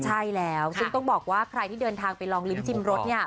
ใช่แล้วซึ่งต้องบอกว่าใครที่เดินทางไปลองลิ้มชิมรสเนี่ย